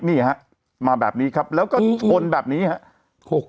นี่ฮะมาแบบนี้ครับแล้วก็ชนแบบนี้ครับ